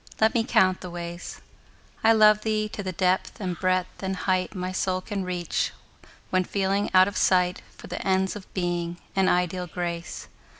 Let me count the ways. I love thee to the depth and breadth and height My soul can reach, when feeling out of sight For the ends of Being and ideal Grace.